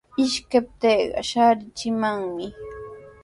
Ishkiptiiqa shaarichimanmi.